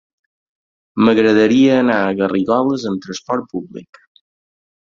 M'agradaria anar a Garrigoles amb trasport públic.